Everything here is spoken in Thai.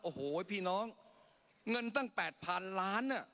โอ้โหพี่น้องเงินตั้ง๘๐๐๐ล้าน